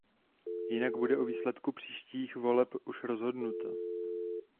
Jinak bude o výsledku příštích voleb už rozhodnuto.